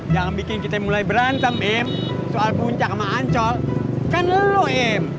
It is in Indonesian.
jangan bikin kita mulai berantem im soal puncak sama ancol kan lo im